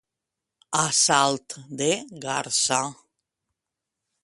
A salt de garsa.